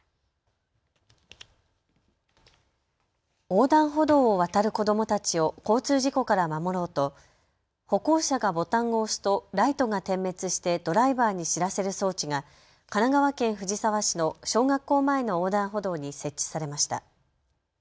横断歩道を渡る子どもたちを交通事故から守ろうと歩行者がボタンを押すとライトが点滅してドライバーに知らせる装置が神奈川県藤沢市の小学校前の横断歩道に設置されました。